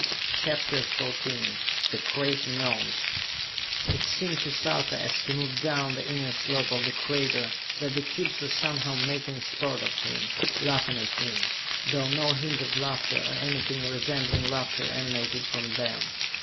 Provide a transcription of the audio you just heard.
CHAPTER XIV The Crater Gnomes It seemed to Sarka, as he moved down the inner slope of the crater, that the cubes were somehow making sport of him, laughing at him, though no hint of laughter or anything resembling laughter emanated from them.